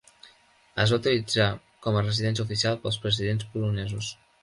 Es va utilitzar com a residència oficial pels presidents polonesos.